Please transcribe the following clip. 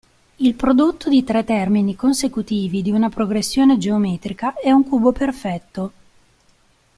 Il prodotto di tre termini consecutivi di una progressione geometrica è un cubo perfetto.